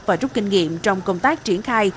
và rút kinh nghiệm trong công tác triển khai